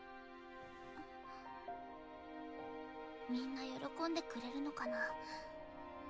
みんな喜んでくれるのかな。